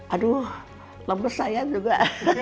aduh lemes saya juga